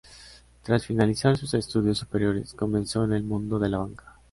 Tras finalizar sus estudios superiores, comenzó en el mundo de la banca.